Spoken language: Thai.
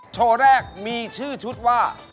โชว์แรกมีชื่อชุดว่า